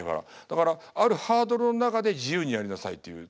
だからあるハードルの中で自由にやりなさいっていう。